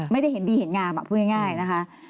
ไม่ได้เห็นดีเห็นงามพูดง่ายนะคะ